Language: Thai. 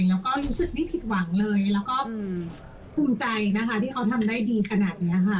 แล้วก็รู้สึกไม่ผิดหวังเลยแล้วก็ภูมิใจนะคะที่เขาทำได้ดีขนาดนี้ค่ะ